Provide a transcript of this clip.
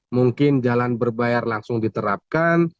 mungkin jalan berbayar langsung diterapkan